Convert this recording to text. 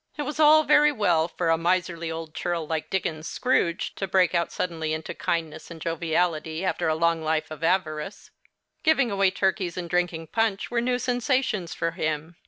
It was all very well for a miserly old churl like Dickens's Scrooge to break out suddenly into kindness and joviality, after a long life of avarice. Giving away turkeys and drinking punch were new sensations for him.